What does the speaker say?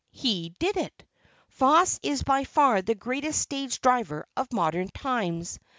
He did it! Foss is by far the greatest stage driver of modern times.